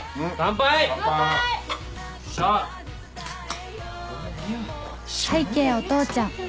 拝啓お父ちゃん